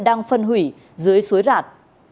đang phân hủy dưới suối rạt